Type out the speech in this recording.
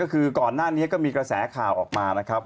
คือก่อนหน้านี้ก็มีกระแสข่าวออกมานะครับ